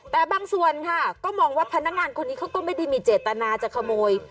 แต่บางส่วนค่ะก็มองว่าพนักงานคนนี้เขาก็ไม่ได้มีเจตนาจะขโมย